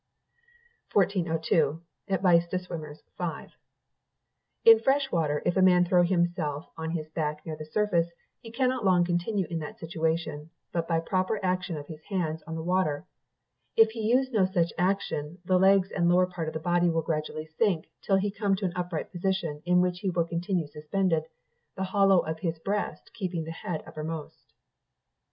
1402. continued... "In fresh water if a man throw himself on his back near the surface, he cannot long continue in that situation, but by proper action of his hands on the water; if he use no such action, the legs and lower part of the body will gradually sink till he come into an upright position, in which he will continue suspended, the hollow of his breast keeping the head uppermost.